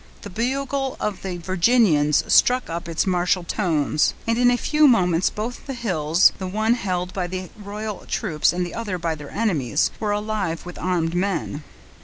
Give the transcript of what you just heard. The bugle of the Virginians struck up its martial tones; and in a few moments both the hills, the one held by the royal troops and the other by their enemies, were alive with armed men.